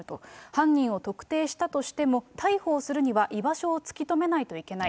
犯人を特定したとしても、逮捕をするには居場所を突き止めないといけない。